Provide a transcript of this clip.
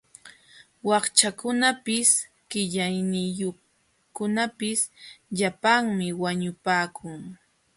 Wakchakunapis qillayniyuqkunapis llapanmi wañupakun.